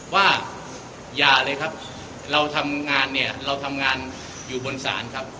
ว่าอย่าเลยครับเราทำงานเนี่ยเราทำงานอยู่บนศาลครับ